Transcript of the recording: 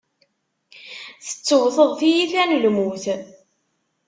Tettewteḍ tiyita n lmut.